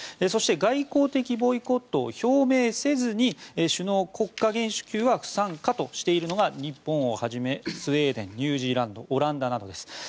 そして外交的ボイコットを表明せずに首脳・国家元首級は不参加としているのが日本をはじめスウェーデンニュージーランドオランダなどです。